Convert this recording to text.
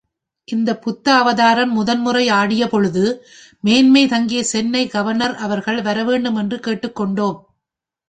இந்தப் புத்தாவதாரம் முதன்முறை ஆடியபொழுது மேன்மை தங்கிய சென்னை கவர்னர் அவர்கள் வரவேண்டுமென்று கேட்டுக் கொண்டோம்.